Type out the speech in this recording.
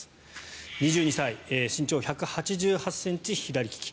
２２歳、身長１８８ｃｍ左利き。